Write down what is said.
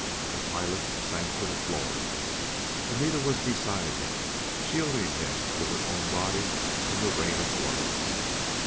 The pilot sank to the floor. Anita was beside him, shielding him with her own body from the rain of blows.